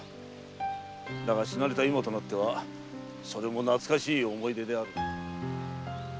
だが死なれた今となってはそれも懐かしい思い出である。